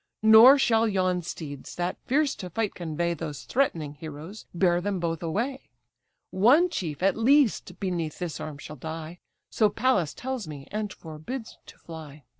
Nor shall yon steeds, that fierce to fight convey Those threatening heroes, bear them both away; One chief at least beneath this arm shall die; So Pallas tells me, and forbids to fly.